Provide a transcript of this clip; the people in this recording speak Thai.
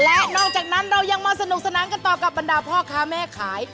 และนอกจากนั้นเรายังมาสนุกสนานกันต่อกับบรรดาพ่อค้าแม่ขาย